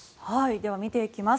では見ていきます。